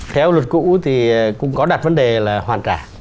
theo luật cũ thì cũng có đặt vấn đề là hoàn trả